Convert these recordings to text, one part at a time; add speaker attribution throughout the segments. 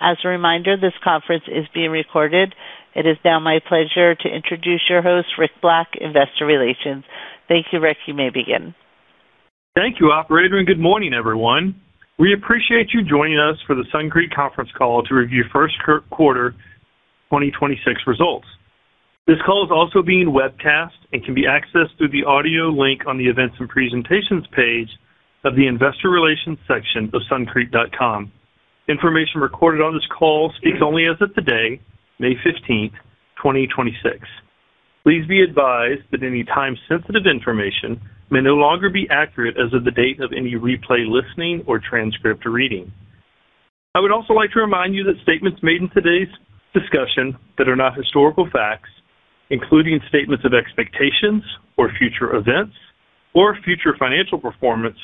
Speaker 1: As a reminder, this conference is being recorded. It is now my pleasure to introduce your host, Rick Black, Investor Relations. Thank you, Rick. You may begin.
Speaker 2: Thank you, operator, and good morning, everyone. We appreciate you joining us for the Suncrete conference call to review Q1 2026 results. This call is also being webcast and can be accessed through the audio link on the Events and Presentations page of the Investor Relations section of suncrete.com. Information recorded on this call speaks only as of today, May 15th, 2026. Please be advised that any time-sensitive information may no longer be accurate as of the date of any replay listening or transcript reading. I would also like to remind you that statements made in today's discussion that are not historical facts, including statements of expectations or future events or future financial performance,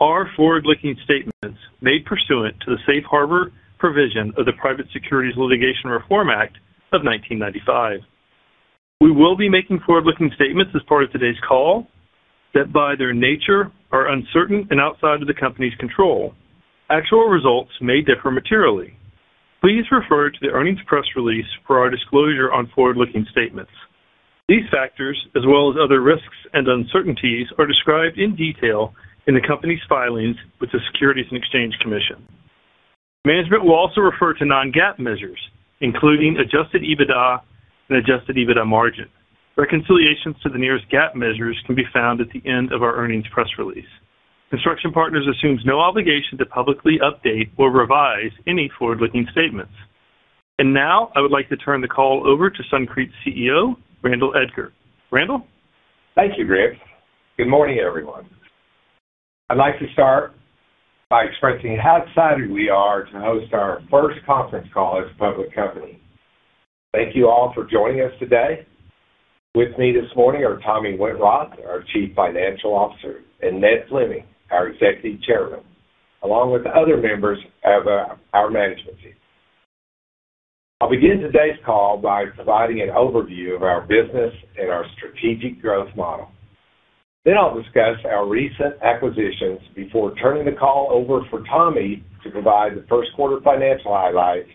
Speaker 2: are forward-looking statements made pursuant to the safe harbor provision of the Private Securities Litigation Reform Act of 1995. We will be making forward-looking statements as part of today's call that, by their nature, are uncertain and outside of the company's control. Actual results may differ materially. Please refer to the earnings press release for our disclosure on forward-looking statements. These factors, as well as other risks and uncertainties, are described in detail in the company's filings with the Securities and Exchange Commission. Management will also refer to non-GAAP measures, including adjusted EBITDA and adjusted EBITDA margin. Reconciliations to the nearest GAAP measures can be found at the end of our earnings press release. Construction Partners assumes no obligation to publicly update or revise any forward-looking statements. Now I would like to turn the call over to Suncrete CEO, Randall Edgar. Randall?
Speaker 3: Thank you, Rick. Good morning, everyone. I'd like to start by expressing how excited we are to host our first conference call as a public company. Thank you all for joining us today. With me this morning are Tommy Wentroth, our Chief Financial Officer, and Ned Fleming, our Executive Chairman, along with other members of our management team. I'll begin today's call by providing an overview of our business and our strategic growth model. I'll discuss our recent acquisitions before turning the call over for Tommy to provide the Q1 financial highlights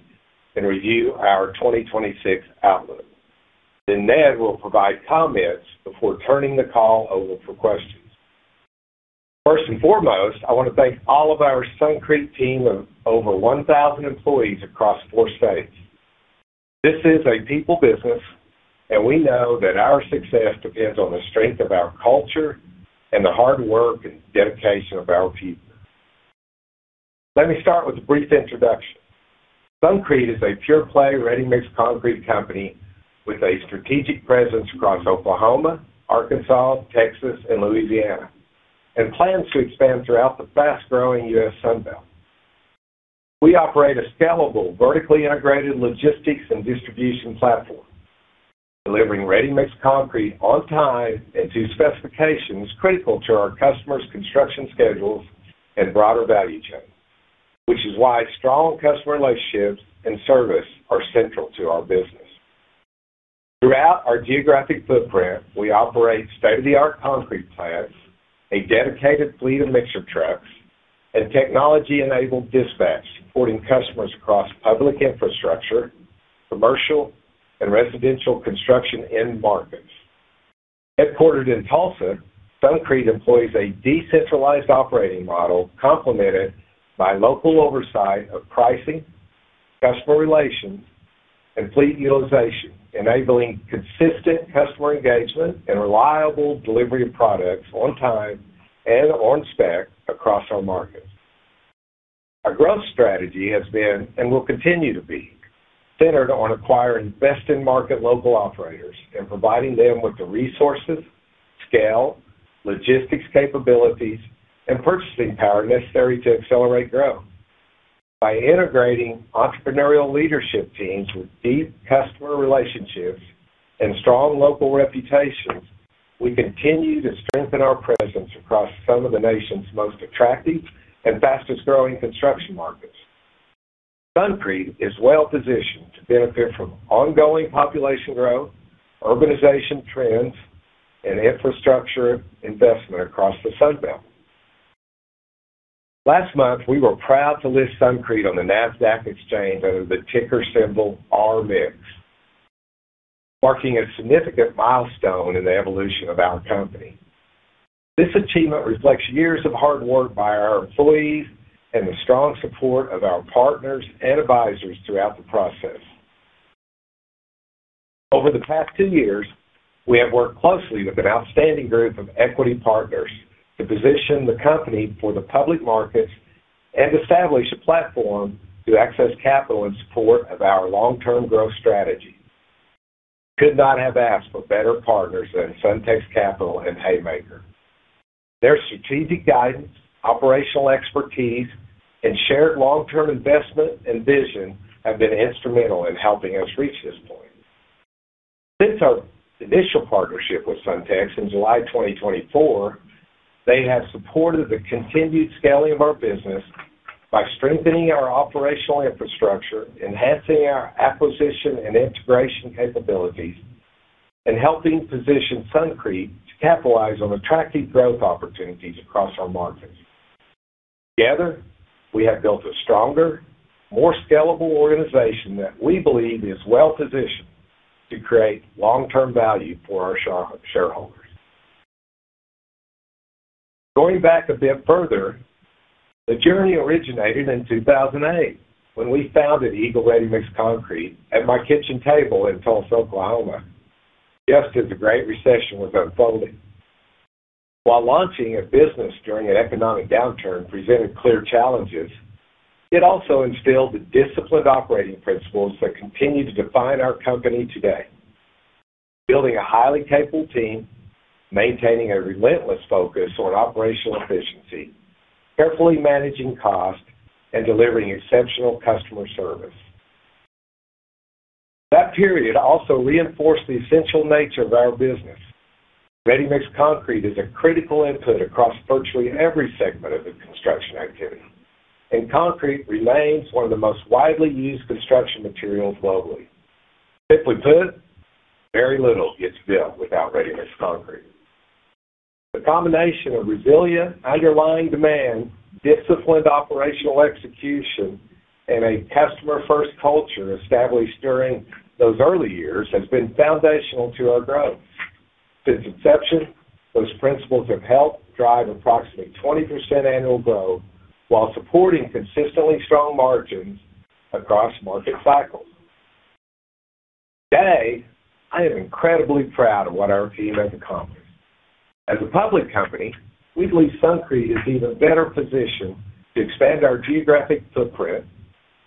Speaker 3: and review our 2026 outlook. Ned will provide comments before turning the call over for questions. First and foremost, I wanna thank all of our Suncrete team of over 1,000 employees across four states. This is a people business, and we know that our success depends on the strength of our culture and the hard work and dedication of our people. Let me start with a brief introduction. Suncrete is a pure-play ready-mix concrete company with a strategic presence across Oklahoma, Arkansas, Texas, and Louisiana, and plans to expand throughout the fast-growing U.S. Sunbelt. We operate a scalable, vertically integrated logistics and distribution platform, delivering ready-mix concrete on time and to specifications critical to our customers' construction schedules and broader value chain, which is why strong customer relationships and service are central to our business. Throughout our geographic footprint, we operate state-of-the-art concrete plants, a dedicated fleet of mixer trucks, and technology-enabled dispatch supporting customers across public infrastructure, commercial, and residential construction end markets. Headquartered in Tulsa, Suncrete employs a decentralized operating model complemented by local oversight of pricing, customer relations, and fleet utilization, enabling consistent customer engagement and reliable delivery of products on time and on spec across our markets. Our growth strategy has been, and will continue to be, centered on acquiring best-in-market local operators and providing them with the resources, scale, logistics capabilities, and purchasing power necessary to accelerate growth. By integrating entrepreneurial leadership teams with deep customer relationships and strong local reputations, we continue to strengthen our presence across some of the nation's most attractive and fastest-growing construction markets. Suncrete is well-positioned to benefit from ongoing population growth, urbanization trends, and infrastructure investment across the Sunbelt. Last month, we were proud to list Suncrete on the Nasdaq exchange under the ticker symbol RMIX, marking a significant milestone in the evolution of our company. This achievement reflects years of hard work by our employees and the strong support of our partners and advisors throughout the process. Over the past 10 years, we have worked closely with an outstanding group of equity partners to position the company for the public markets and establish a platform to access capital in support of our long-term growth strategy. Could not have asked for better partners than SunTx Capital and Haymaker. Their strategic guidance, operational expertise, and shared long-term investment and vision have been instrumental in helping us reach this point. Since our initial partnership with SunTx in July 2024, they have supported the continued scaling of our business by strengthening our operational infrastructure, enhancing our acquisition and integration capabilities. Helping position Suncrete to capitalize on attractive growth opportunities across our markets. Together, we have built a stronger, more scalable organization that we believe is well-positioned to create long-term value for our shareholders. Going back a bit further, the journey originated in 2008 when we founded Eagle Redi-Mix Concrete at my kitchen table in Tulsa, Oklahoma, just as the Great Recession was unfolding. While launching a business during an economic downturn presented clear challenges, it also instilled the disciplined operating principles that continue to define our company today. Building a highly capable team, maintaining a relentless focus on operational efficiency, carefully managing cost, and delivering exceptional customer service. That period also reinforced the essential nature of our business. Ready-mix concrete is a critical input across virtually every segment of the construction activity, and concrete remains one of the most widely used construction materials globally. Simply put, very little gets built without ready-mix concrete. The combination of resilient underlying demand, disciplined operational execution, and a customer-first culture established during those early years has been foundational to our growth. Since inception, those principles have helped drive approximately 20% annual growth while supporting consistently strong margins across market cycles. Today, I am incredibly proud of what our team has accomplished. As a public company, we believe Suncrete is even better positioned to expand our geographic footprint,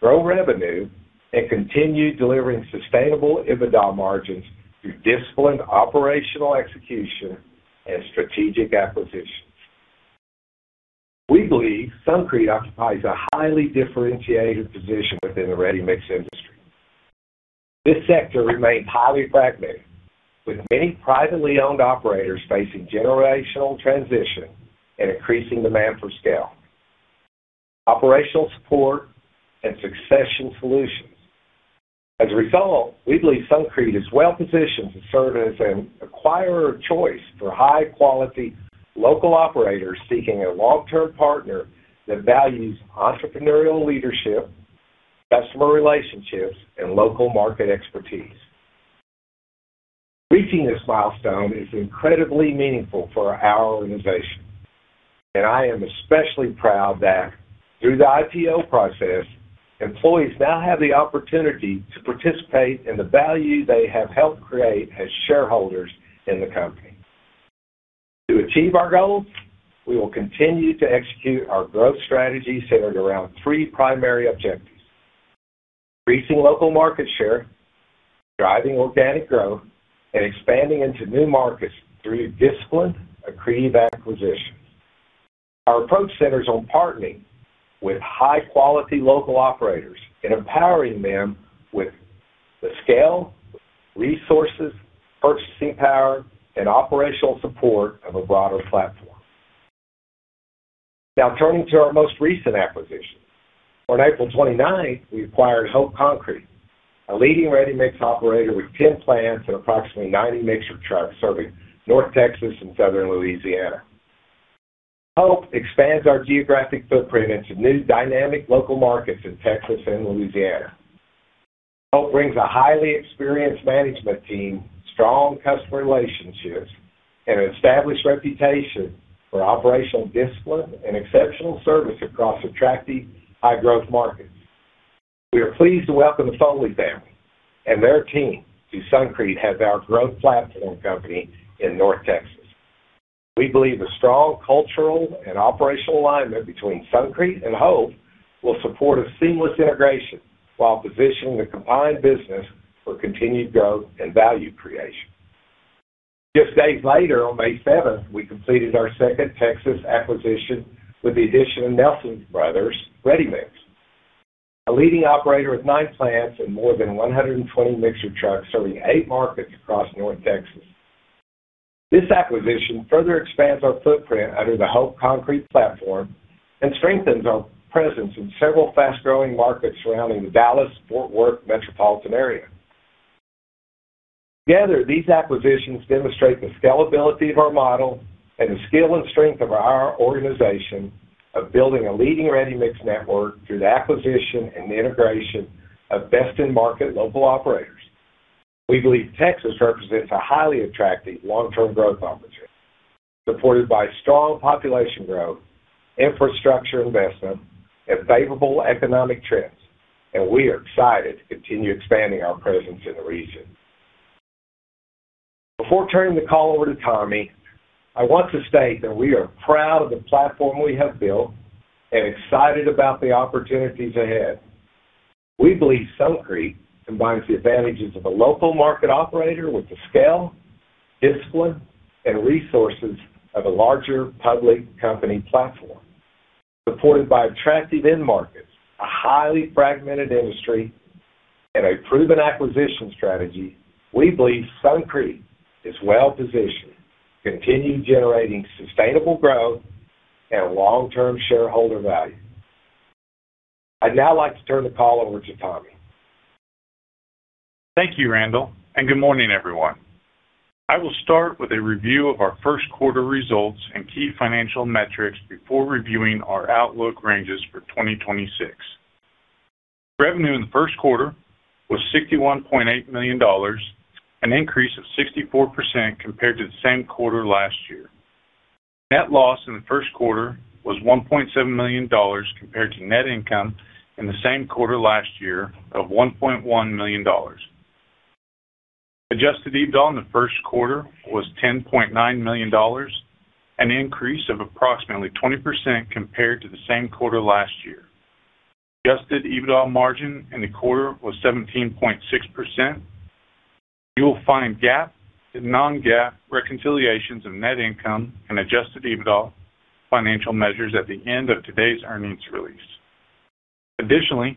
Speaker 3: grow revenue, and continue delivering sustainable EBITDA margins through disciplined operational execution and strategic acquisitions. We believe Suncrete occupies a highly differentiated position within the ready-mix industry. This sector remains highly fragmented, with many privately owned operators facing generational transition and increasing demand for scale, operational support, and succession solutions. As a result, we believe Suncrete is well positioned to serve as an acquirer of choice for high-quality local operators seeking a long-term partner that values entrepreneurial leadership, customer relationships, and local market expertise. Reaching this milestone is incredibly meaningful for our organization, and I am especially proud that through the IPO process, employees now have the opportunity to participate in the value they have helped create as shareholders in the company. To achieve our goals, we will continue to execute our growth strategy centered around three primary objectives: increasing local market share, driving organic growth, and expanding into new markets through disciplined, accretive acquisitions. Our approach centers on partnering with high-quality local operators and empowering them with the scale, resources, purchasing power, and operational support of a broader platform. Now turning to our most recent acquisition. On April 29th, we acquired Hope Concrete, a leading ready-mix operator with 10 plants and approximately 90 mixer trucks serving North Texas and Southern Louisiana. Hope expands our geographic footprint into new dynamic local markets in Texas and Louisiana. Hope brings a highly experienced management team, strong customer relationships, and an established reputation for operational discipline and exceptional service across attractive high-growth markets. We are pleased to welcome the Foley family and their team to Suncrete as our growth platform company in North Texas. We believe a strong cultural and operational alignment between Suncrete and Hope will support a seamless integration while positioning the combined business for continued growth and value creation. Just days later, on May 7, we completed our second Texas acquisition with the addition of Nelson Brothers Ready Mix, a leading operator of nine plants and more than 120 mixer trucks serving eight markets across North Texas. This acquisition further expands our footprint under the Hope Concrete platform and strengthens our presence in several fast-growing markets surrounding the Dallas-Fort Worth metropolitan area. These acquisitions demonstrate the scalability of our model and the skill and strength of our organization of building a leading ready-mix network through the acquisition and integration of best-in-market local operators. We believe Texas represents a highly attractive long-term growth opportunity, supported by strong population growth, infrastructure investment, and favorable economic trends, and we are excited to continue expanding our presence in the region. Before turning the call over to Tommy, I want to state that we are proud of the platform we have built and excited about the opportunities ahead. We believe Suncrete combines the advantages of a local market operator with the scale, discipline, and resources of a larger public company platform. Supported by attractive end markets, a highly fragmented industry, and a proven acquisition strategy, we believe Suncrete is well positioned to continue generating sustainable growth and long-term shareholder value. I'd now like to turn the call over to Tommy.
Speaker 4: Thank you, Randall, and good morning, everyone. I will start with a review of our Q1 results and key financial metrics before reviewing our outlook ranges for 2026. Revenue in the Q1 was $61.8 million, an increase of 64% compared to the same quarter last year. Net loss in the Q1 was $1.7 million compared to net income in the same quarter last year of $1.1 million. Adjusted EBITDA in the Q1 was $10.9 million, an increase of approximately 20% compared to the same quarter last year. Adjusted EBITDA margin in the quarter was 17.6%. You will find GAAP and non-GAAP reconciliations of net income and adjusted EBITDA financial measures at the end of today's earnings release. Additionally,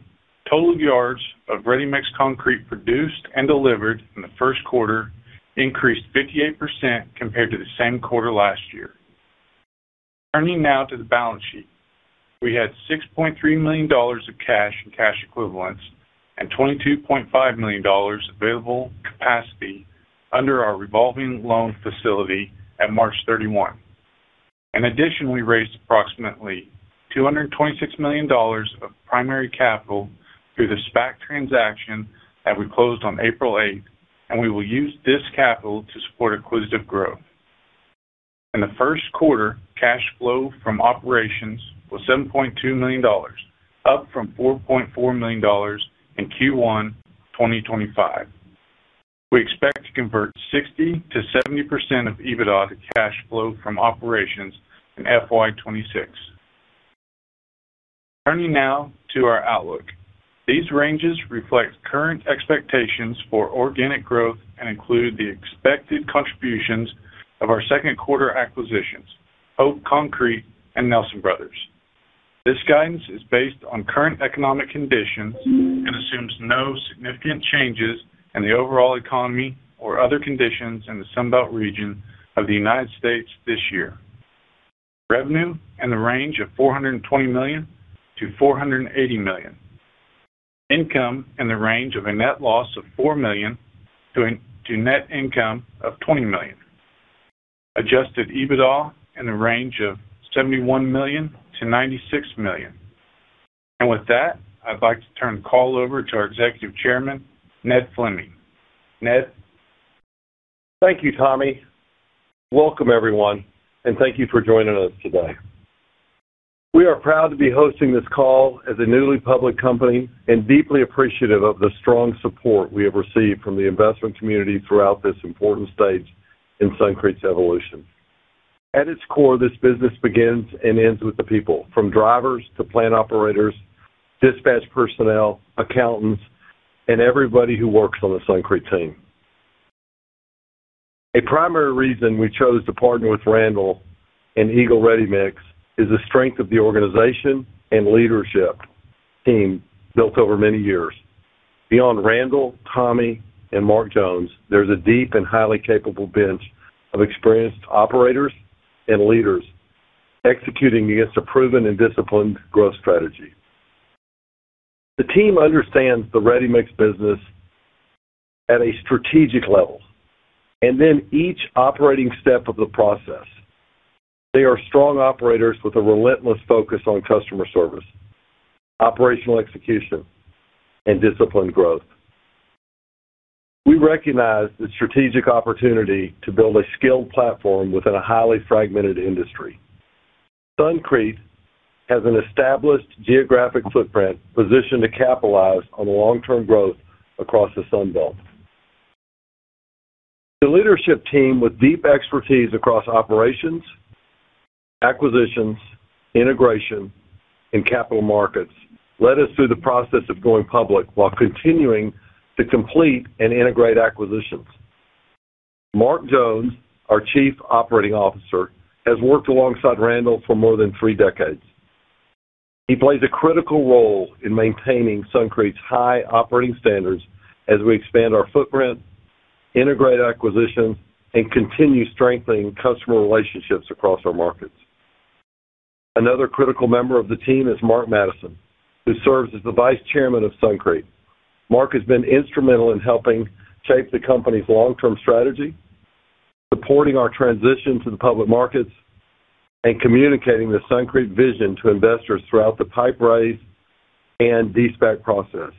Speaker 4: total yards of ready-mix concrete produced and delivered in the Q1 increased 58% compared to the same quarter last year. Turning now to the balance sheet. We had $6.3 million of cash and cash equivalents and $22.5 million available capacity under our revolving loan facility at March 31. We raised approximately $226 million of primary capital through the SPAC transaction that we closed on April 8, and we will use this capital to support acquisitive growth. In the Q1, cash flow from operations was $7.2 million, up from $4.4 million in Q1 2025. We expect to convert 60%-70% of EBITDA to cash flow from operations in FY 2026. Turning now to our outlook. These ranges reflect current expectations for organic growth and include the expected contributions of our Q2 acquisitions, Hope Concrete and Nelson Brothers. This guidance is based on current economic conditions and assumes no significant changes in the overall economy or other conditions in the Sunbelt region of the United States this year. Revenue in the range of $420 million-$480 million. Income in the range of a net loss of $4 million to net income of $20 million. Adjusted EBITDA in the range of $71 million-$96 million. With that, I'd like to turn the call over to our Executive Chairman, Ned Fleming. Ned.
Speaker 5: Thank you, Tommy. Welcome, everyone, and thank you for joining us today. We are proud to be hosting this call as a newly public company and deeply appreciative of the strong support we have received from the investment community throughout this important stage in Suncrete's evolution. At its core, this business begins and ends with the people, from drivers to plant operators, dispatch personnel, accountants, and everybody who works on the Suncrete team. A primary reason we chose to partner with Randall and Eagle Redi-Mix is the strength of the organization and leadership team built over many years. Beyond Randall, Tommy, and Mark Jones, there's a deep and highly capable bench of experienced operators and leaders executing against a proven and disciplined growth strategy. The team understands the ready-mix business at a strategic level, and then each operating step of the process. They are strong operators with a relentless focus on customer service, operational execution, and disciplined growth. We recognize the strategic opportunity to build a skilled platform within a highly fragmented industry. Suncrete has an established geographic footprint positioned to capitalize on long-term growth across the Sunbelt. The leadership team with deep expertise across operations, acquisitions, integration, and capital markets led us through the process of going public while continuing to complete and integrate acquisitions. Mark Jones, our Chief Operating Officer, has worked alongside Randall for more than three decades. He plays a critical role in maintaining Suncrete's high operating standards as we expand our footprint, integrate acquisitions, and continue strengthening customer relationships across our markets. Another critical member of the team is Mark Matteson, who serves as the Vice Chairman of Suncrete. Mark has been instrumental in helping shape the company's long-term strategy, supporting our transition to the public markets, and communicating the Suncrete vision to investors throughout the PIPE raise and de-SPAC process.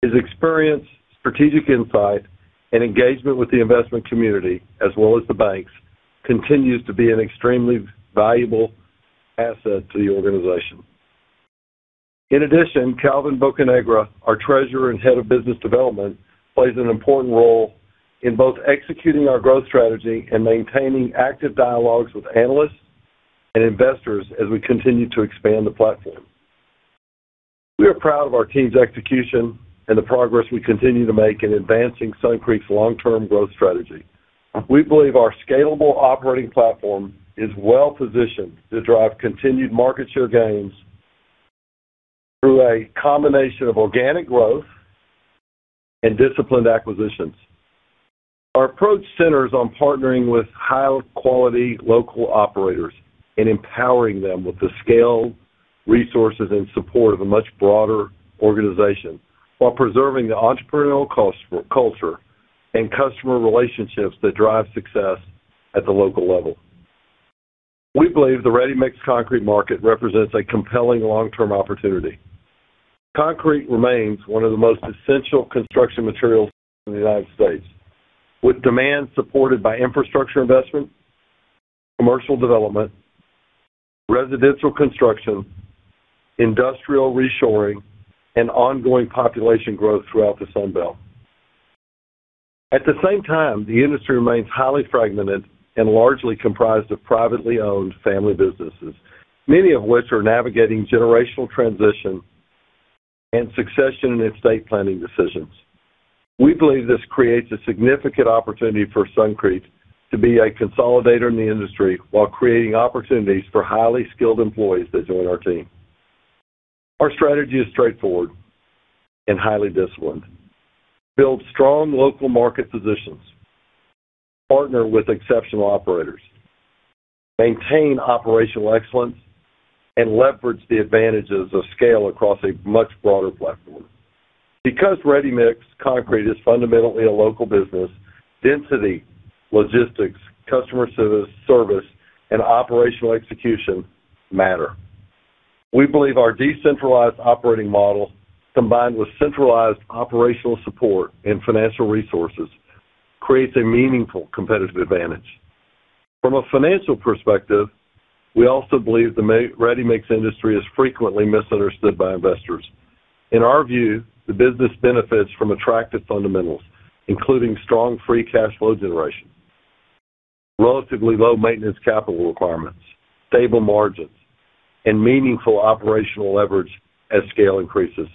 Speaker 5: His experience, strategic insight, and engagement with the investment community, as well as the banks, continues to be an extremely valuable asset to the organization. In addition, Calvin Bocanegra, our Treasurer and Head of Business Development, plays an important role in both executing our growth strategy and maintaining active dialogues with analysts and investors as we continue to expand the platform. We are proud of our team's execution and the progress we continue to make in advancing Suncrete's long-term growth strategy. We believe our scalable operating platform is well-positioned to drive continued market share gains through a combination of organic growth and disciplined acquisitions. Our approach centers on partnering with high quality local operators and empowering them with the scale, resources, and support of a much broader organization while preserving the entrepreneurial culture and customer relationships that drive success at the local level. We believe the ready-mix concrete market represents a compelling long-term opportunity. Concrete remains one of the most essential construction materials in the United States, with demand supported by infrastructure investment, commercial development, residential construction, industrial reshoring, and ongoing population growth throughout the Sunbelt. At the same time, the industry remains highly fragmented and largely comprised of privately owned family businesses, many of which are navigating generational transition and succession and estate planning decisions. We believe this creates a significant opportunity for Suncrete to be a consolidator in the industry while creating opportunities for highly skilled employees that join our team. Our strategy is straightforward and highly disciplined. Build strong local market positions, partner with exceptional operators, maintain operational excellence, and leverage the advantages of scale across a much broader platform. Because Readymix Concrete is fundamentally a local business, density, logistics, customer service, and operational execution matter. We believe our decentralized operating model, combined with centralized operational support and financial resources, creates a meaningful competitive advantage. From a financial perspective, we also believe the ready-mix industry is frequently misunderstood by investors. In our view, the business benefits from attractive fundamentals, including strong free cash flow generation, relatively low maintenance capital requirements, stable margins, and meaningful operational leverage as scale increases.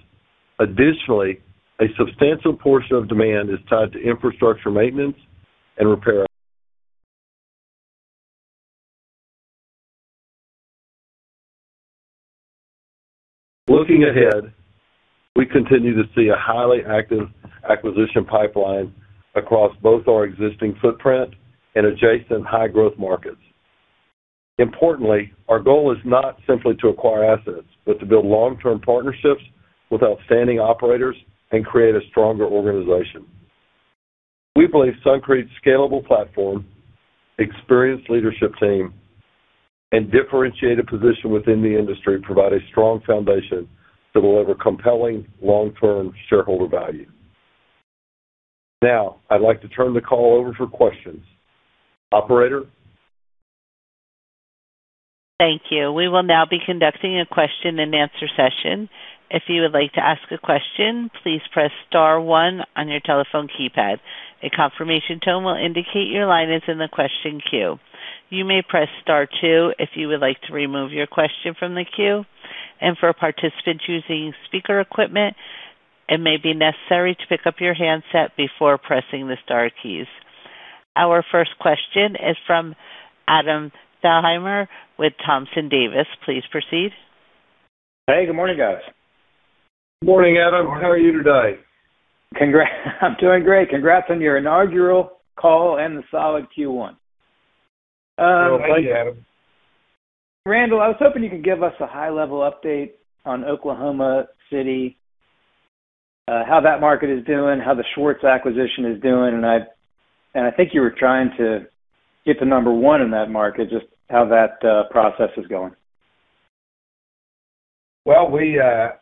Speaker 5: Additionally, a substantial portion of demand is tied to infrastructure maintenance and repair. Looking ahead, we continue to see a highly active acquisition pipeline across both our existing footprint and adjacent high-growth markets. Importantly, our goal is not simply to acquire assets, but to build long-term partnerships with outstanding operators and create a stronger organization. We believe Suncrete's scalable platform, experienced leadership team, and differentiated position within the industry provide a strong foundation to deliver compelling long-term shareholder value. Now, I'd like to turn the call over for questions. Operator?
Speaker 1: Thank you. We will now be conducting a question-and-answer session. Our first question is from Adam Thalhimer with Thompson Davis. Please proceed.
Speaker 6: Hey, good morning, guys.
Speaker 5: Good morning, Adam. How are you today?
Speaker 6: I'm doing great. Congrats on your inaugural call and the solid Q1.
Speaker 5: Thank you, Adam.
Speaker 6: Randall, I was hoping you could give us a high-level update on Oklahoma City, how that market is doing, how the Schwarz acquisition is doing. I think you were trying to get to number one in that market, just how that process is going.
Speaker 3: Well, we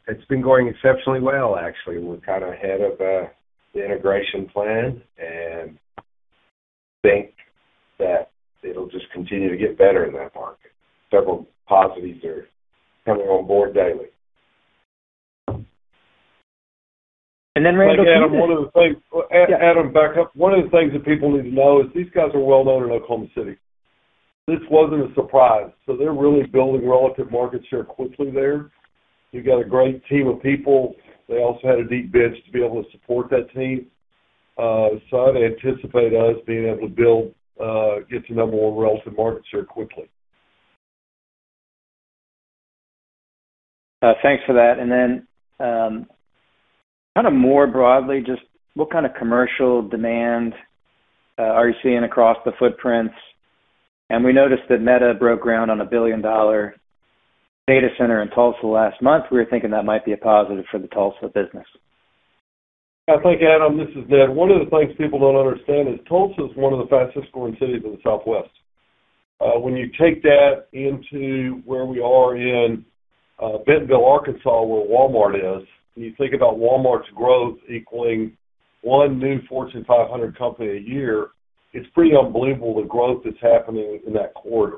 Speaker 3: It's been going exceptionally well, actually. We're kind of ahead of the integration plan and think that it'll just continue to get better in that market. Several positives are coming on board daily.
Speaker 6: And then, Randall-
Speaker 5: Adam, back up. One of the things that people need to know is these guys are well known in Oklahoma City. This wasn't a surprise. They're really building relative market share quickly there. We've got a great team of people. They also had a deep bench to be able to support that team. I'd anticipate us being able to build, get to number one relative market share quickly.
Speaker 6: Thanks for that. Kind of more broadly, just what kind of commercial demand are you seeing across the footprints? We noticed that Meta broke ground on a billion-dollar data center in Tulsa last month. We were thinking that might be a positive for the Tulsa business.
Speaker 5: I think, Adam, this is Ned. One of the things people don't understand is Tulsa is one of the fastest growing cities in the Southwest. When you take that into where we are in Bentonville, Arkansas, where Walmart is, when you think about Walmart's growth equaling one new Fortune 500 company a year, it's pretty unbelievable the growth that's happening in that quarter.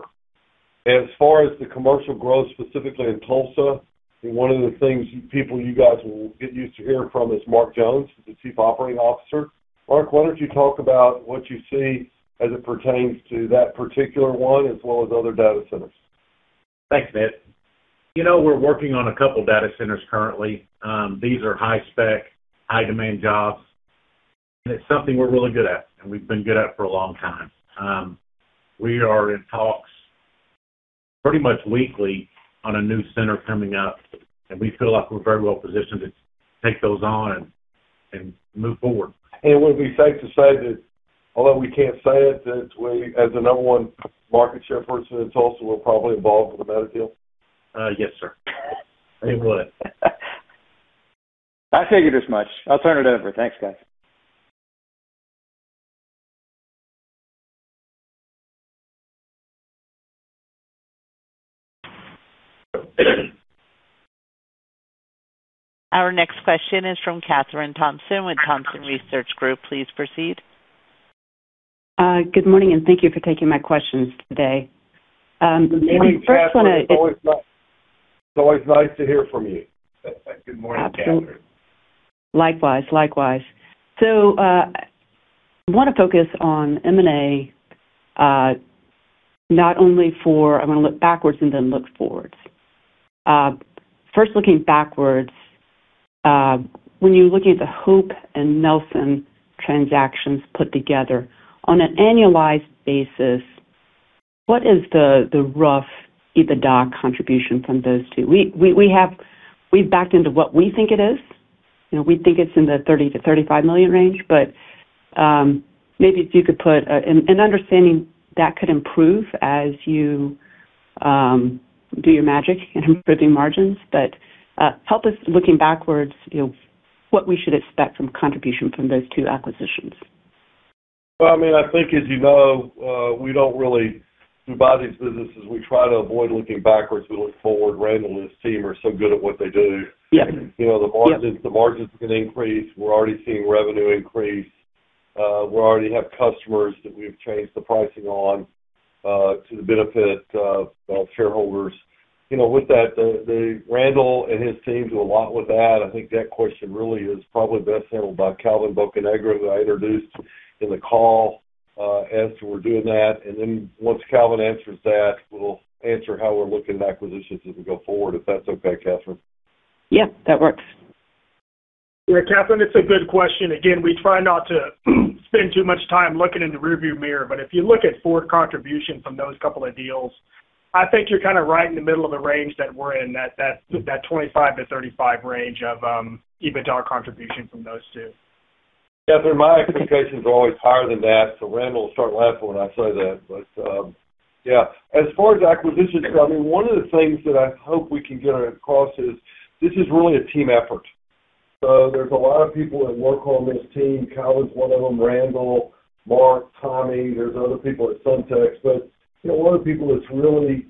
Speaker 5: As far as the commercial growth specifically in Tulsa, one of the things people, you guys will get used to hearing from is Mark Jones, the Chief Operating Officer. Mark, why don't you talk about what you see as it pertains to that particular one as well as other data centers?
Speaker 7: Thanks, Ned. You know, we're working on a couple data centers currently. These are high spec, high demand jobs. It's something we're really good at, and we've been good at for a long time. We are in talks pretty much weekly on a new center coming up. We feel like we're very well-positioned to take those on and move forward.
Speaker 5: Would it be safe to say that although we can't say it, that we, as the number 1 market share person in Tulsa, we're probably involved with the Meta deal?
Speaker 7: Yes, sir. We would.
Speaker 6: I take it as much. I'll turn it over. Thanks, guys.
Speaker 1: Our next question is from Kathryn Thompson with Thompson Research Group. Please proceed.
Speaker 8: Good morning, and thank you for taking my questions today.
Speaker 5: Good morning, Kathryn. It's always nice to hear from you.
Speaker 3: Good morning, Kathryn.
Speaker 8: Absolutely. Likewise, likewise. I wanna focus on M&A, not only for I'm gonna look backwards and then look forwards. First looking backwards, when you're looking at the Hope and Nelson transactions put together on an annualized basis, what is the rough EBITDA contribution from those two? We've backed into what we think it is. You know, we think it's in the $30 million-$35 million range. Maybe if you could put an understanding that could improve as you do your magic in improving margins. Help us looking backwards, you know, what we should expect from contribution from those two acquisitions.
Speaker 5: Well, I mean, I think, as you know, we don't really buy these businesses, we try to avoid looking backwards. We look forward. Randall and his team are so good at what they do.
Speaker 8: Yeah.
Speaker 5: You know, the margins can increase. We're already seeing revenue increase. We already have customers that we've changed the pricing on to the benefit of shareholders. You know, with that, Randall and his team do a lot with that. I think that question really is probably best handled by Calvin Bocanegra, who I introduced in the call as to we're doing that. Once Calvin answers that, we'll answer how we're looking at acquisitions as we go forward, if that's okay, Kathryn.
Speaker 8: Yeah, that works.
Speaker 9: Yeah, Kathryn, it's a good question. We try not to spend too much time looking in the rearview mirror, but if you look at forward contribution from those couple of deals, I think you're kind of right in the middle of the range that we're in, that $25-$35 range of EBITDA contribution from those two.
Speaker 5: Kathryn Thompson, my expectations are always higher than that, so Randall Edgar will start laughing when I say that. Yeah. As far as acquisitions go, I mean, one of the things that I hope we can get across is this is really a team effort. There's a lot of people that work on this team. Calvin Bocanegra's one of them, Randall Edgar, Mark Jones, Tommy Wentroth. There's other people at Suncrete. You know, one of the people that's really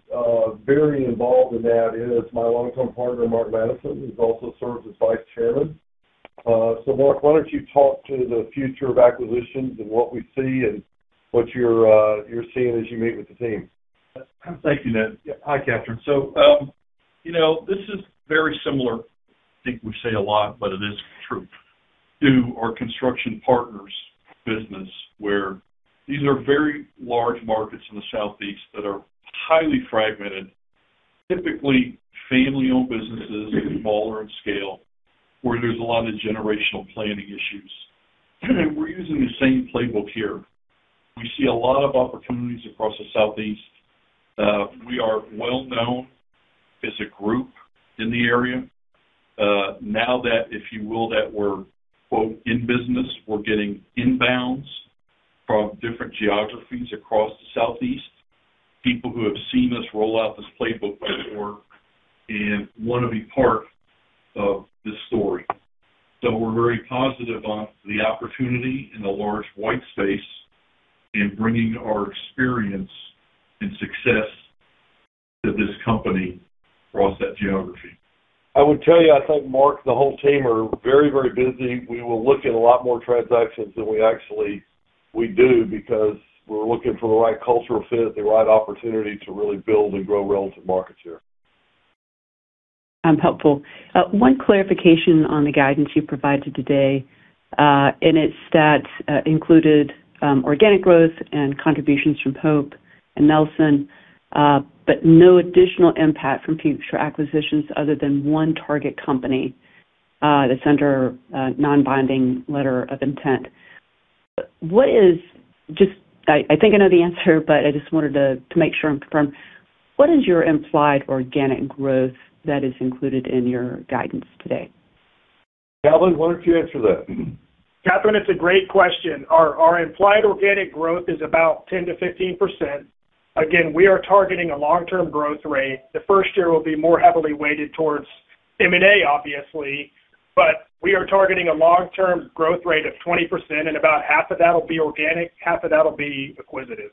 Speaker 5: very involved in that is my longtime partner, Mark Matteson, who also serves as Vice Chairman. Mark Matteson, why don't you talk to the future of acquisitions and what we see and what you're seeing as you meet with the team.
Speaker 10: Thank you, Ned. Hi, Kathryn. You know, this is very similar. I think we say a lot, but it is true to our Construction Partners business, where these are very large markets in the Southeast that are highly fragmented, typically family-owned businesses, smaller in scale, where there's a lot of generational planning issues. We're using the same playbook here. We see a lot of opportunities across the Southeast. We are well-known as a group in the area. Now that, if you will, that we're, quote, in business, we're getting inbounds from different geographies across the Southeast. People who have seen us roll out this playbook before and wanna be part of this story. We're very positive on the opportunity in the large white space in bringing our experience and success to this company across that geography.
Speaker 5: I would tell you, I think Mark and the whole team are very, very busy. We will look at a lot more transactions than we do because we're looking for the right cultural fit, the right opportunity to really build and grow relative markets here.
Speaker 8: Helpful. One clarification on the guidance you provided today, in its stats, included organic growth and contributions from Hope and Nelson, but no additional impact from future acquisitions other than one target company, that's under a non-binding letter of intent. What is just I think I know the answer, but I just wanted to make sure and confirm. What is your implied organic growth that is included in your guidance today?
Speaker 5: Calvin, why don't you answer that?
Speaker 9: Kathryn, it's a great question. Our implied organic growth is about 10%-15%. Again, we are targeting a long-term growth rate. The first year will be more heavily weighted towards M&A, obviously, but we are targeting a long-term growth rate of 20%, and about half of that will be organic, half of that will be acquisitive.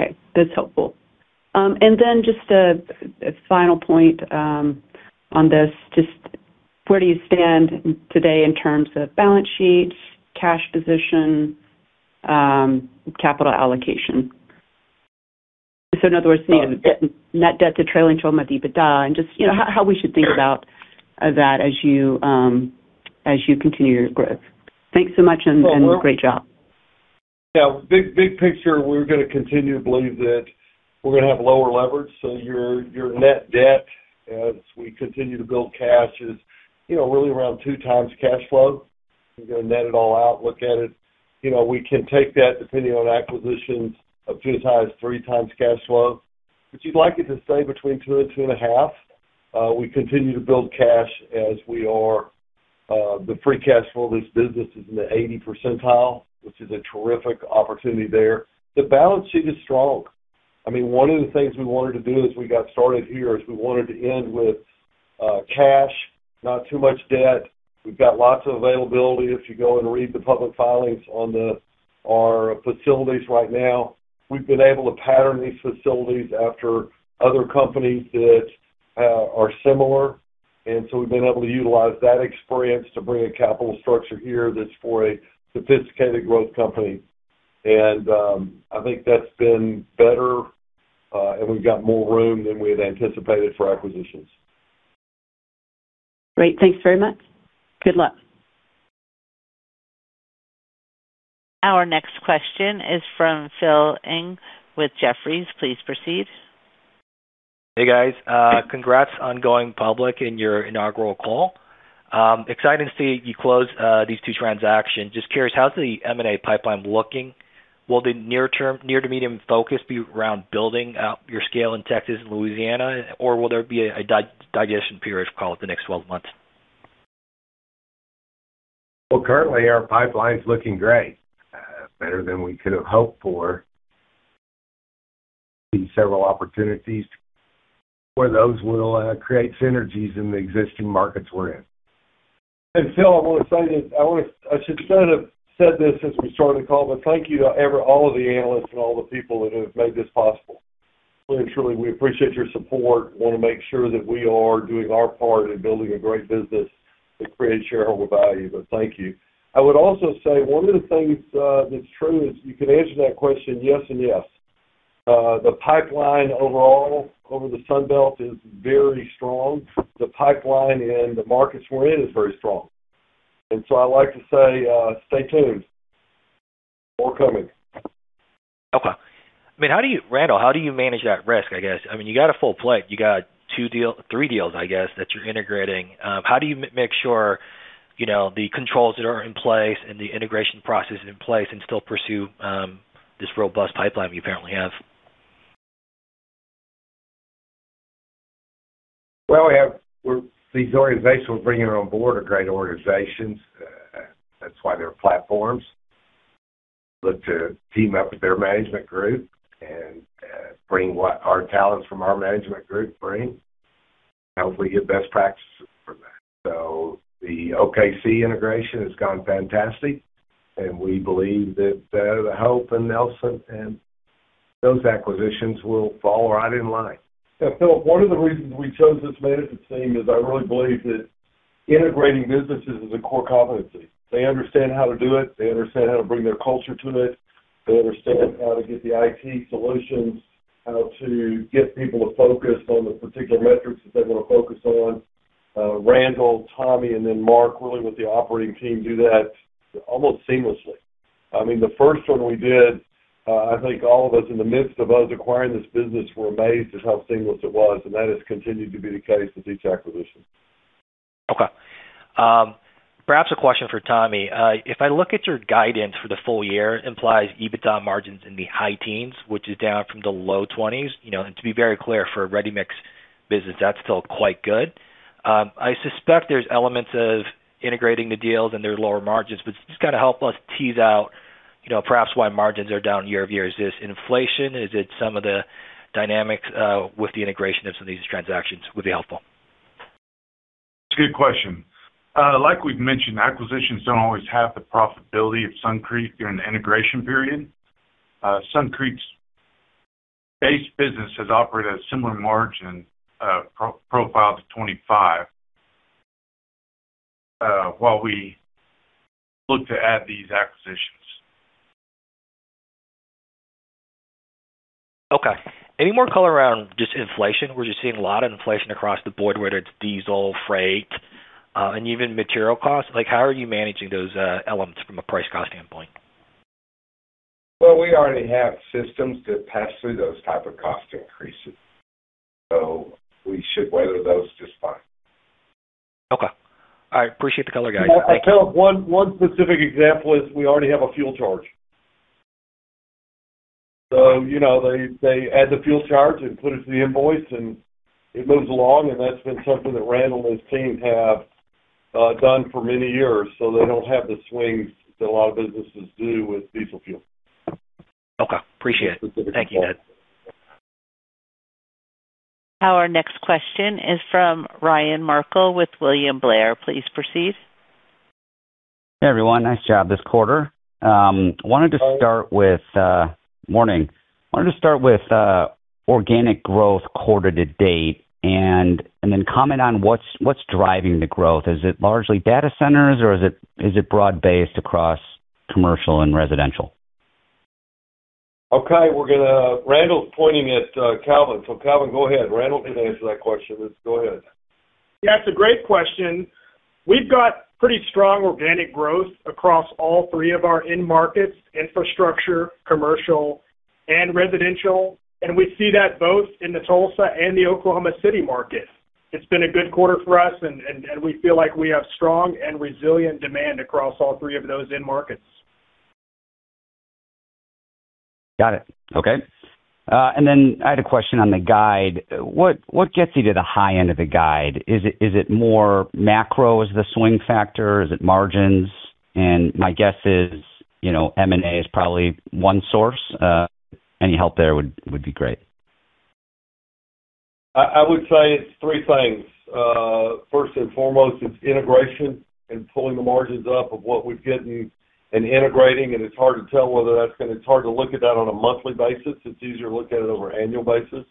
Speaker 8: Okay, that's helpful. Just a final point on this. Just where do you stand today in terms of balance sheets, cash position, capital allocation? In other words, net debt to trailing 12-month EBITDA, and just, you know, how we should think about that as you continue your growth. Thanks so much and great job.
Speaker 5: Big picture, we're gonna continue to believe that we're gonna have lower leverage. Your net debt as we continue to build cash is, you know, really around 2x cash flow. You go net it all out, look at it. You know, we can take that depending on acquisitions of 2x, 3x cash flow. You'd like it to stay between 2x and 2.5x. We continue to build cash as we are. The free cash flow of this business is in the 80th percentile, which is a terrific opportunity there. The balance sheet is strong. I mean, one of the things we wanted to do as we got started here is we wanted to end with cash, not too much debt. We've got lots of availability if you go and read the public filings on our facilities right now. We've been able to pattern these facilities after other companies that are similar. We've been able to utilize that experience to bring a capital structure here that's for a sophisticated growth company. I think that's been better. We've got more room than we had anticipated for acquisitions.
Speaker 8: Great. Thanks very much. Good luck.
Speaker 1: Our next question is from Philip Ng with Jefferies. Please proceed.
Speaker 11: Hey, guys. Congrats on going public in your inaugural call. Exciting to see you close these two transactions. Just curious, how's the M&A pipeline looking? Will the near to medium focus be around building out your scale in Texas and Louisiana? Or will there be a digestion period, call it, the next 12 months?
Speaker 3: Well, currently our pipeline's looking great. Better than we could have hoped for. Several opportunities where those will, create synergies in the existing markets we're in.
Speaker 5: Philip Ng, I want to say that I should have said this since we started the call, thank you to all of the analysts and all the people that have made this possible. Clearly, truly, we appreciate your support. Want to make sure that we are doing our part in building a great business to create shareholder value. Thank you. I would also say one of the things that is true is you can answer that question yes and yes. The pipeline overall over the Sunbelt is very strong. The pipeline in the markets we are in is very strong. I like to say, stay tuned. More coming.
Speaker 11: Okay. I mean, Randall, how do you manage that risk, I guess? I mean, you got a full plate. You got three deals, I guess, that you're integrating. How do you make sure, you know, the controls that are in place and the integration process is in place and still pursue this robust pipeline you apparently have?
Speaker 3: Well, these organizations we're bringing on board are great organizations. That's why they're platforms. Look to team up with their management group and bring what our talents from our management group bring. Hopefully, get best practices from that. The OKC integration has gone fantastic, and we believe that the Hope and Nelson and those acquisitions will fall right in line.
Speaker 5: Philip, one of the reasons we chose this management team is I really believe that integrating businesses is a core competency. They understand how to do it. They understand how to bring their culture to it. They understand how to get the IT solutions, how to get people to focus on the particular metrics that they wanna focus on. Randall, Tommy Wentroth, and then Mark Jones really with the operating team do that almost seamlessly. I mean, the first one we did, I think all of us in the midst of us acquiring this business were amazed at how seamless it was, and that has continued to be the case with each acquisition.
Speaker 11: Perhaps a question for Tommy. If I look at your guidance for the full year, it implies EBITDA margins in the high teens, which is down from the low 20s. You know, to be very clear, for a ready-mix business, that's still quite good. I suspect there's elements of integrating the deals and their lower margins, just kind of help us tease out, you know, perhaps why margins are down year-over-year. Is this inflation? Is it some of the dynamics with the integration of some of these transactions? That would be helpful.
Speaker 4: It's a good question. Like we've mentioned, acquisitions don't always have the profitability of Suncrete during the integration period. Suncrete's base business has operated a similar margin profile to 25% while we look to add these acquisitions.
Speaker 11: Okay. Any more color around just inflation? We're just seeing a lot of inflation across the board, whether it's diesel, freight, even material costs. Like, how are you managing those elements from a price cost standpoint?
Speaker 4: Well, we already have systems that pass through those type of cost increases, so we should weather those just fine.
Speaker 11: Okay. All right, appreciate the color, guys. Thank you.
Speaker 5: Philip, one specific example is we already have a fuel charge. You know, they add the fuel charge and put it to the invoice, and it moves along, and that's been something that Randall and his team have done for many years, so they don't have the swings that a lot of businesses do with diesel fuel.
Speaker 11: Okay, appreciate it. Thank you, guys.
Speaker 1: Our next question is from Ryan Merkel with William Blair. Please proceed.
Speaker 12: Hey, everyone. Nice job this quarter. Morning. Wanted to start with organic growth quarter to date, and then comment on what's driving the growth. Is it largely data centers, or is it broad-based across commercial and residential?
Speaker 5: Okay. Randall's pointing at Calvin. Calvin, go ahead. Randall can answer that question. Let's go ahead.
Speaker 9: Yeah, it's a great question. We've got pretty strong organic growth across all three of our end markets, infrastructure, commercial, and residential, and we see that both in the Tulsa and the Oklahoma City market. It's been a good quarter for us, and we feel like we have strong and resilient demand across all three of those end markets.
Speaker 12: Got it. Okay. I had a question on the guide. What gets you to the high end of the guide? Is it more macro as the swing factor? Is it margins? My guess is, you know, M&A is probably one source. Any help there would be great.
Speaker 5: I would say it's three things. First and foremost, it's integration and pulling the margins up of what we're getting and integrating. It's hard to look at that on a monthly basis. It's easier to look at it over annual basis.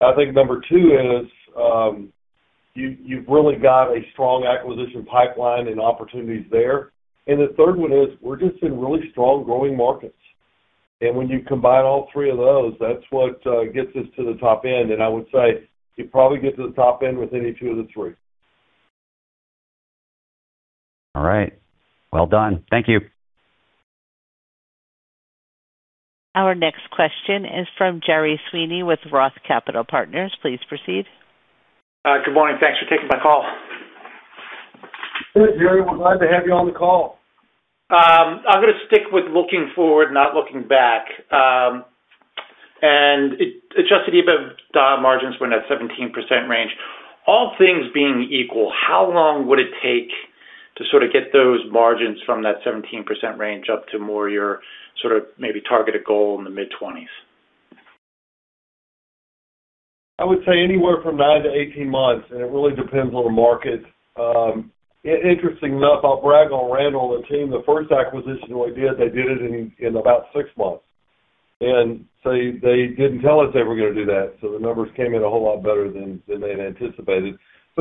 Speaker 5: I think number two is, you've really got a strong acquisition pipeline and opportunities there. The third one is we're just in really strong growing markets. When you combine all three of those, that's what gets us to the top end. I would say you probably get to the top end with any two of the three.
Speaker 12: All right. Well done. Thank you.
Speaker 1: Our next question is from Gerry Sweeney with Roth Capital Partners. Please proceed.
Speaker 13: Good morning. Thanks for taking my call.
Speaker 5: Hey, Gerry Sweeney. We're glad to have you on the call.
Speaker 13: I'm gonna stick with looking forward, not looking back. It's just EBITDA margins were in that 17% range. All things being equal, how long would it take to sort of get those margins from that 17% range up to more your sort of maybe targeted goal in the mid-20s?
Speaker 5: I would say anywhere from 9-18 months, and it really depends on the market. Interesting enough, I'll brag on Randall and the team, the first acquisition we did, they did it in about six months. They didn't tell us they were gonna do that, so the numbers came in a whole lot better than they had anticipated.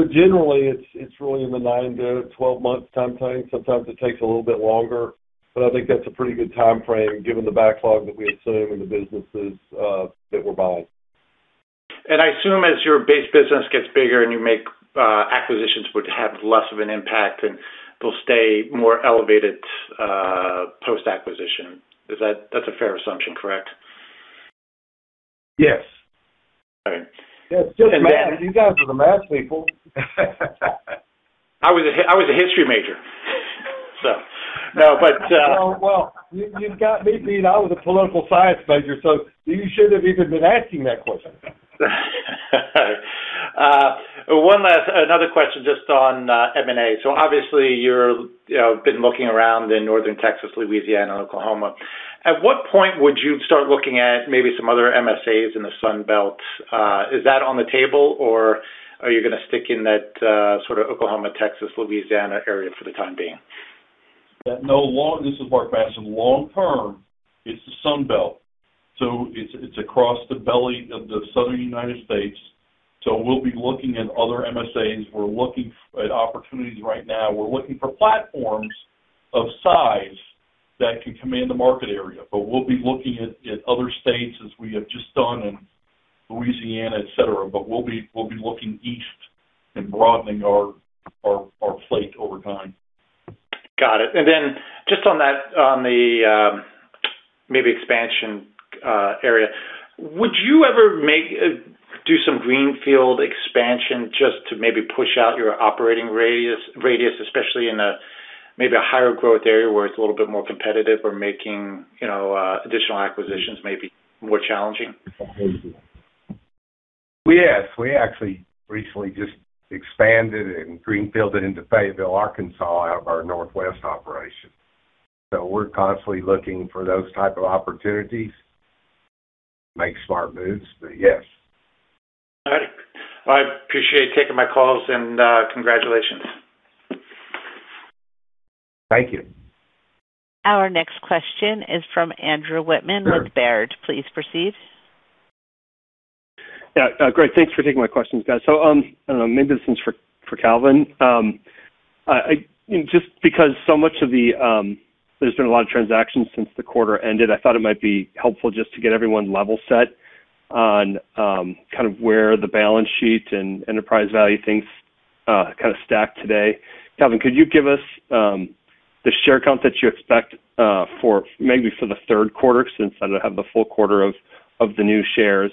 Speaker 5: Generally, it's really in the 9-12 months timeframe. Sometimes it takes a little bit longer, but I think that's a pretty good timeframe given the backlog that we assume in the businesses that we're buying.
Speaker 13: I assume as your base business gets bigger and you make acquisitions would have less of an impact and they'll stay more elevated post-acquisition. That's a fair assumption, correct?
Speaker 5: Yes.
Speaker 13: All right.
Speaker 5: Yeah, it's just math. You guys are the math people.
Speaker 13: I was a history major. No, but.
Speaker 5: Well, well, you've got me beat. I was a political science major, so you shouldn't have even been asking that question.
Speaker 13: Another question just on M&A. Obviously you're, you know, been looking around in Northern Texas, Louisiana, Oklahoma. At what point would you start looking at maybe some other MSAs in the Sunbelt? Is that on the table or are you gonna stick in that sort of Oklahoma, Texas, Louisiana area for the time being?
Speaker 7: This is Mark Jones. Long term, it's the Sunbelt, so it's across the belly of the Southern United States. We'll be looking at other MSAs. We're looking at opportunities right now. We're looking for platforms of size that can command the market area. We'll be looking at other states as we have just done in Louisiana, et cetera. We'll be looking east and broadening our plate over time.
Speaker 13: Got it. Just on that, on the maybe expansion area, would you ever do some greenfield expansion just to maybe push out your operating radius, especially in a maybe a higher growth area where it's a little bit more competitive or making, you know, additional acquisitions maybe more challenging?
Speaker 3: Yes. We actually recently just expanded and greenfielded into Fayetteville, Arkansas, out of our Northwest operation. We're constantly looking for those type of opportunities, make smart moves, but yes.
Speaker 13: All right. I appreciate you taking my calls and congratulations.
Speaker 3: Thank you.
Speaker 1: Our next question is from Andrew Wittmann with Baird. Please proceed.
Speaker 14: Great. Thanks for taking my questions, guys. I don't know, maybe this one's for Calvin. Just because so much of the, there's been a lot of transactions since the quarter ended, I thought it might be helpful just to get everyone level set on kind of where the balance sheet and enterprise value things kind of stack today. Calvin, could you give us the share count that you expect for maybe for the Q3 since I don't have the full quarter of the new shares?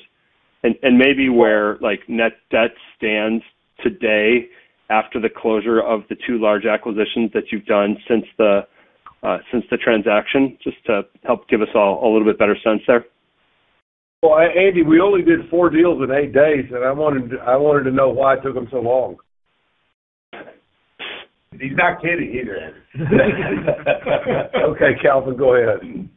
Speaker 14: Maybe where like net debt stands today after the closure of the two large acquisitions that you've done since the transaction, just to help give us a little bit better sense there.
Speaker 5: Well, Andy, we only did four deals in eight days, I wanted to know why it took them so long.
Speaker 9: He's not kidding either, Andy.
Speaker 5: Okay, Calvin, go ahead.
Speaker 9: Andrew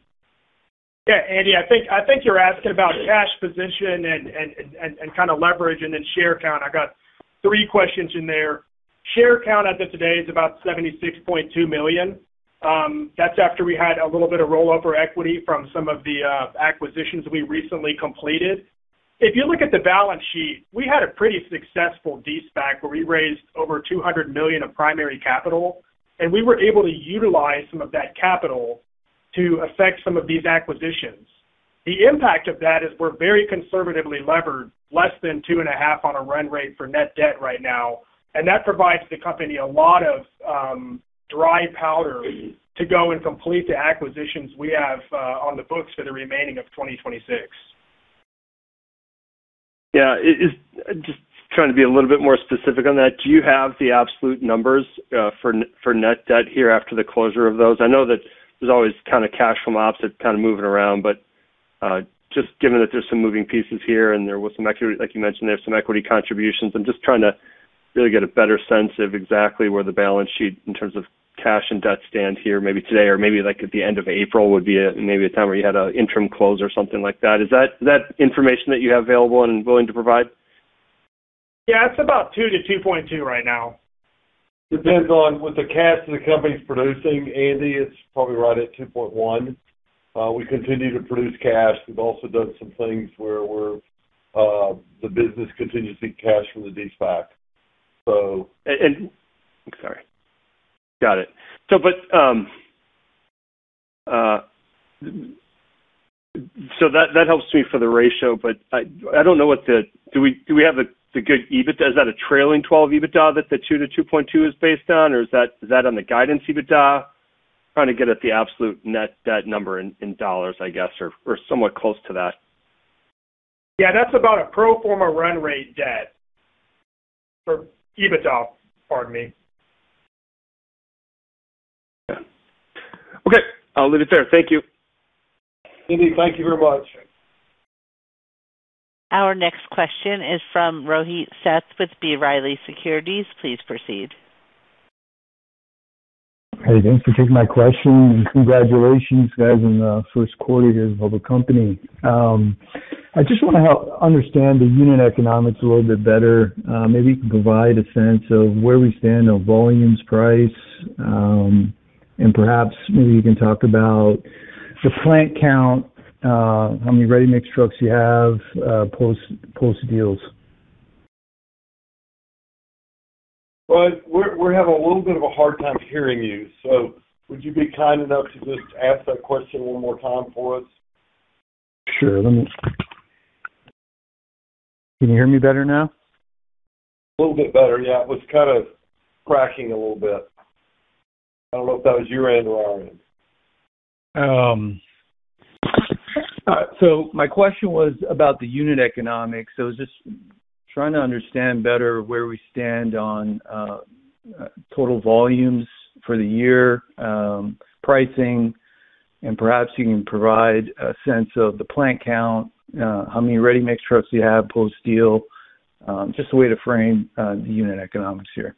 Speaker 9: Wittmann, I think you're asking about cash position and kind of leverage and then share count. I got three questions in there. Share count as of today is about 76.2 million. That's after we had a little bit of rollover equity from some of the acquisitions we recently completed. If you look at the balance sheet, we had a pretty successful de-SPAC where we raised over $200 million of primary capital, and we were able to utilize some of that capital to effect some of these acquisitions. The impact of that is we're very conservatively levered less than 2.5 on a run rate for net debt right now. That provides the company a lot of dry powder to go and complete the acquisitions we have on the books for the remaining of 2026.
Speaker 14: Just trying to be a little bit more specific on that. Do you have the absolute numbers for net debt here after the closure of those? I know that there's always kinda cash from ops that's kinda moving around. Just given that there's some moving pieces here and there was some equity, like you mentioned, there's some equity contributions, I'm just trying to really get a better sense of exactly where the balance sheet in terms of cash and debt stand here maybe today or maybe, like, at the end of April would be maybe a time where you had an interim close or something like that. Is that information that you have available and willing to provide?
Speaker 9: Yeah. It's about 2-2.2 right now.
Speaker 5: Depends on with the cash that the company's producing, Andrew, it's probably right at $2.1. We continue to produce cash. We've also done some things where we're the business continues to get cash from the de-SPAC.
Speaker 14: I'm sorry. Got it. That helps me for the ratio, but do we have a good EBITDA? Is that a trailing 12 EBITDA that the 2-2.2 is based on, or is that on the guidance EBITDA? I'm trying to get at the absolute net debt number in dollars, I guess, or somewhat close to that.
Speaker 9: Yeah. That's about a pro forma run rate debt for EBITDA. Pardon me.
Speaker 14: Yeah. Okay. I'll leave it there. Thank you.
Speaker 5: Andy, thank you very much.
Speaker 1: Our next question is from Rohit Seth with B. Riley Securities. Please proceed.
Speaker 15: Hey, thanks for taking my question, and congratulations guys on the Q1 here as a public company. I just wanna help understand the unit economics a little bit better. Maybe you can provide a sense of where we stand on volumes, price, and perhaps maybe you can talk about the plant count, how many ready-mix trucks you have, post deals.
Speaker 5: Well, we're having a little bit of a hard time hearing you. Would you be kind enough to just ask that question one more time for us?
Speaker 15: Sure. Can you hear me better now?
Speaker 5: A little bit better. Yeah. It was kind of cracking a little bit. I don't know if that was your end or our end.
Speaker 15: My question was about the unit economics. I was just trying to understand better where we stand on total volumes for the year, pricing, and perhaps you can provide a sense of the plant count, how many ready-mix trucks you have post-deal. Just a way to frame the unit economics here.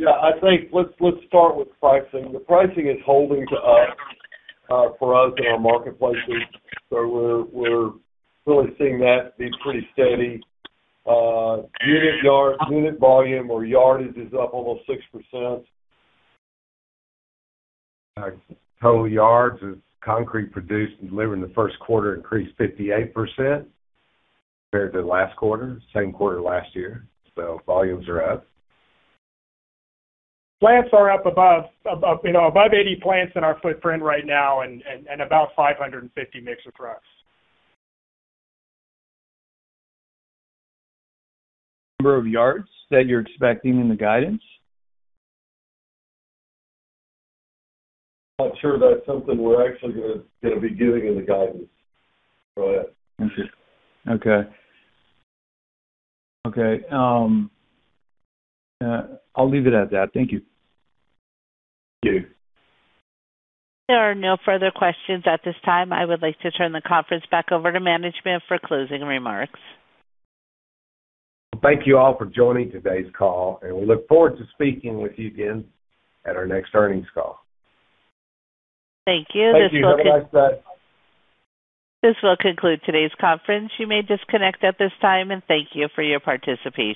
Speaker 5: Yeah. I think let's start with pricing. The pricing is holding to us for us in our marketplaces. We're really seeing that be pretty steady. Unit yard, unit volume or yardage is up almost 6%.
Speaker 3: total yards is concrete produced and delivered in the Q1 increased 58% compared to last quarter, same quarter last year. volumes are up.
Speaker 9: Plants are up above, you know, above 80 plants in our footprint right now and about 550 mixer trucks.
Speaker 15: Number of yards that you're expecting in the guidance?
Speaker 5: Not sure that's something we're actually gonna be giving in the guidance, Rohit.
Speaker 15: I see. Okay. Okay. I'll leave it at that. Thank you.
Speaker 5: Thank you.
Speaker 1: There are no further questions at this time. I would like to turn the conference back over to management for closing remarks.
Speaker 3: Thank you all for joining today's call, and we look forward to speaking with you again at our next earnings call.
Speaker 1: Thank you. This will con-
Speaker 5: Thank you. Have a nice day.
Speaker 1: This will conclude today's conference. You may disconnect at this time, and thank you for your participation.